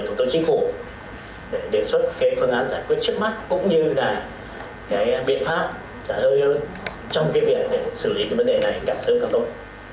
tư pháp để đề xuất phương án giải quyết trước mắt cũng như biện pháp trong việc xử lý vấn đề này